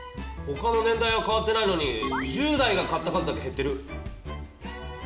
ほかの年代は変わってないのに１０代が買った数だけ減ってる！